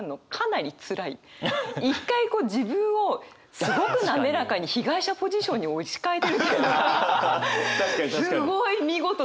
一回こう自分をすごく滑らかに被害者ポジションに置き換えてるっていうのがすごい見事だなって。